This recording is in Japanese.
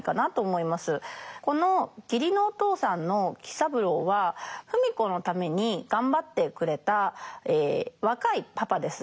この義理のお父さんの喜三郎は芙美子のために頑張ってくれた若いパパです。